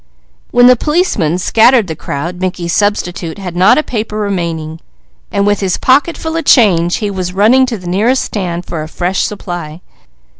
When the policemen scattered the crowd Mickey's substitute had not a paper remaining. With his pocket full of change he was running to the nearest stand for a fresh supply.